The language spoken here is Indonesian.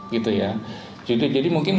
gitu ya jadi mungkin